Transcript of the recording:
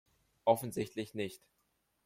Offensichtlich nicht.